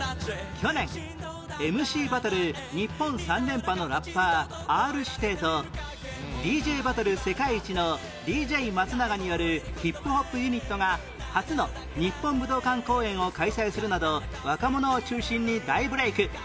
去年 ＭＣＢＡＴＴＬＥ 日本３連覇のラッパー Ｒ− 指定と ＤＪ バトル世界一の ＤＪ 松永による ＨＩＰＨＯＰ ユニットが初の日本武道館公演を開催するなど若者を中心に大ブレーク